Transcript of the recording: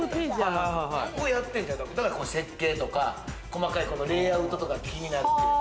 だから設計とか細かいレイアウトとか気になってる。